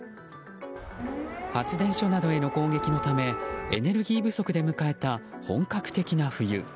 発電所などへの攻撃のためエネルギー不足で迎えた本格的な冬。